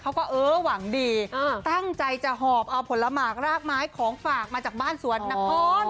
เขาก็เออหวังดีตั้งใจจะหอบเอาผลหมากรากไม้ของฝากมาจากบ้านสวนนคร